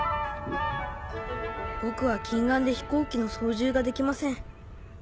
僕は近眼で飛行機の操縦ができません。